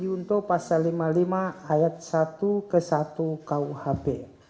untuk pasal lima ayat satu ke satu kuhp